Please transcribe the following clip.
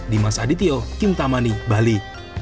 dimas adityo kim tamani bali